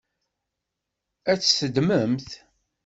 Ad tt-teddmemt?